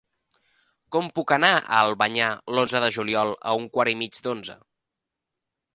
Com puc anar a Albanyà l'onze de juliol a un quart i mig d'onze?